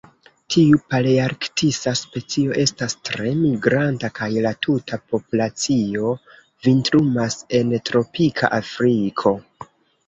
Tiu palearktisa specio estas tre migranta kaj la tuta populacio vintrumas en tropika Afriko.